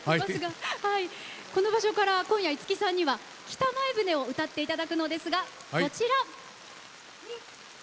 この場所から今夜、五木さんには「北前船」を歌っていただくのですがこちら！